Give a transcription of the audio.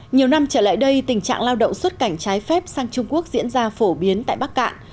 nhiều năm trở lại đây tình trạng lao động xuất cảnh trái phép sang trung quốc diễn ra phổ biến tại bắc cạn